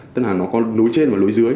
tức là nó có lối trên và lối dưới